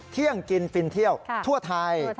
เที่ยงกินฟินเที่ยวทั่วไทย